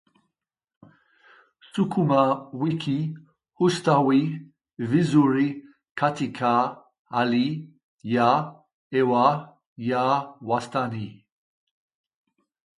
Sukuma wiki hustawi vizuri katika hali ya hewa ya wastani,